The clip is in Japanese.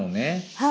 はい。